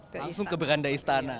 langsung ke beranda istana